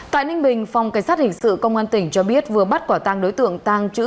tại ninh bình phòng cảnh sát hình sự công an tỉnh cho biết vừa bắt quả tang đối tượng tàng trữ